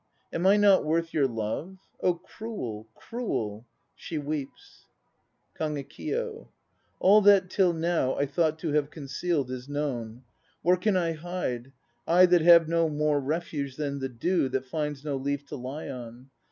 Am I not worth your love? Oh cruel, cruel! (She weeps.) KAGEKIYO. All that till now I thought to have concealed Is known; where can I hide, I that have no more refuge than the dew That finds no leaf to lie on?